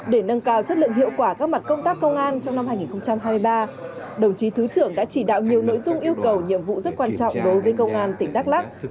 để nâng cao chất lượng hiệu quả các mặt công tác công an trong năm hai nghìn hai mươi ba đồng chí thứ trưởng đã chỉ đạo nhiều nội dung yêu cầu nhiệm vụ rất quan trọng đối với công an tỉnh đắk lắc